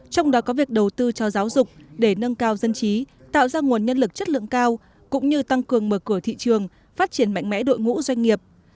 trong đó có việc đầu tư cho giáo dục để nâng cao dân trí tạo ra nguồn nhân lực chất lượng cao cũng như tăng cường mở cửa thị trường phát triển mạnh mẽ đội ngũ doanh nghiệp